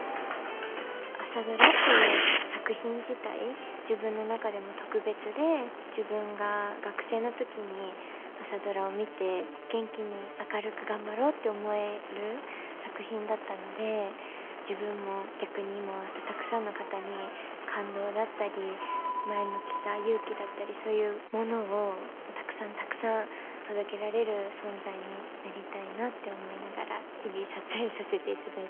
「朝ドラ」っていう作品自体自分の中でも特別で自分が学生の時に「朝ドラ」を見て元気に明るく頑張ろうって思える作品だったので自分も逆に今は本当たくさんの方に感動だったり前向きさ勇気だったりそういうものをたくさんたくさん届けられる存在になりたいなって思いながら日々撮影させていただいてます。